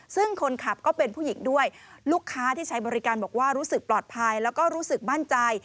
ซึ่งคนขับก็เป็นผู้หญิงด้วยลูกค้าที่ใช้บริการบอกว่ารู้สึกปลอดภัยแล้วก็รู้สึกมั่นใจ